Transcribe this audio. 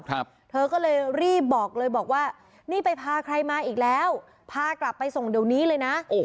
เธอก็เลยรีบบอกเลยบอกว่านี่ไปพาใครมาอีกแล้วพากลับไปส่งเดี๋ยวนี้เลยนะโอ้โห